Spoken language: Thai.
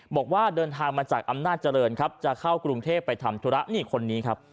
บอกว่าเดินทางมาจากอำนาจเจริญครับจะเข้ากรุงเทพไปทำธุระนี่คนนี้ครับ